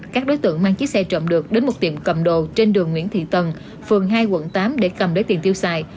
các đối tượng mang chiếc xe trộm được đến một tiệm cầm đồ trên đường nguyễn thị tần phường hai quận tám để cầm lấy tiền tiêu xài